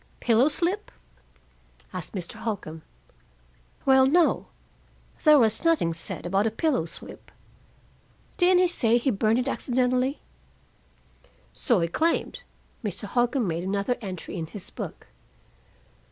"Pillow slip?" asked Mr. Holcombe. "Well, no. There was nothing said about a pillow slip. Didn't he say he burned it accidentally?" "So he claimed." Mr. Holcombe made another entry in his book.